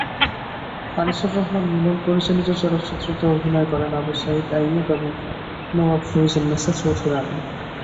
আনিসুর রহমান মিলন পরিচালিত চলচ্চিত্রটিতে অভিনয় করেন আবু সায়ীদ আইয়ুব এবং নওয়াব ফয়জুন্নেসা চৌধুরানী।